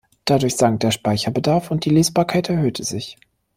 Dadurch sank der Speicherbedarf und die Lesbarkeit erhöhte sich.